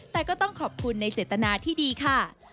แต่ก็ต้องขอบคุณในเจตนาที่ดีค่ะ